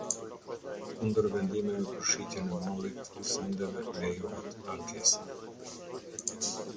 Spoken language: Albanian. Kundër vendimit për shitjen e mallit -sendeve — lejohet ankesa.